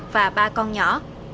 và ba con nhỏ